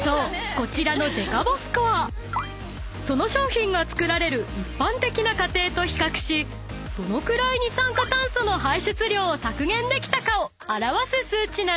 こちらのデカボスコアその商品が作られる一般的な過程と比較しどのくらい二酸化炭素の排出量を削減できたかを表す数値なんです］